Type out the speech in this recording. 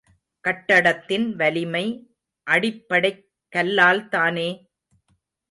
கட்டடத்தின் வலிமை அடிப்படைக் கல்லால்தானே!